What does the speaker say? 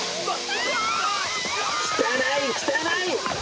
汚い汚い！